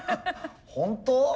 本当？